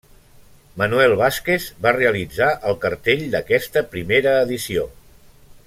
Manuel Vázquez va realitzar el cartell d'aquesta primera edició.